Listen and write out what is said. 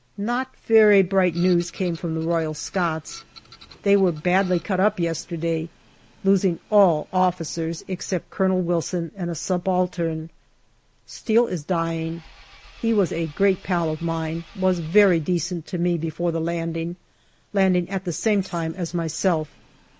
Not very bright news came from the Royal Scots ; they were badly cut up yesterday, losing all officers, except Colonel Wilson and a subaltern. Steel is dying ; he was a great pal of mine, was very decent to me before the landing, landing at the same time as myself.